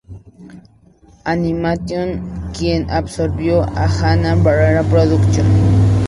Animation, quien absorbió a Hanna-Barbera Productions.